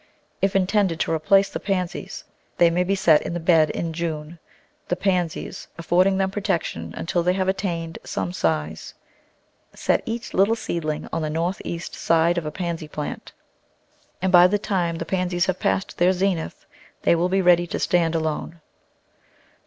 If intended to replace the Pansies they may be set in the bed in June, the Pansies afford Digitized by Google Kgfc] f^oufit plante s 5 ing them protection until they have attained some size. Set each little seedling on the north east side of a Pansy plant, and by the time the Pansies have passed their zenith they will be ready to stand alone.